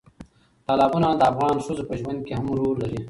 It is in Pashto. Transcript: تالابونه د افغان ښځو په ژوند کې هم رول لري.